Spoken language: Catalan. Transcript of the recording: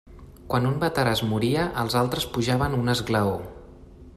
Quan un veterà es moria, els altres pujaven un esglaó.